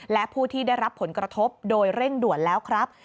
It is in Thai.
และผู้ที่ได้รับผลกระทบโดยเร่งด่วนแล้วครับ